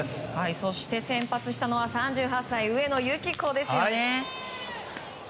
そして先発したのは３８歳、上野由岐子ですよね。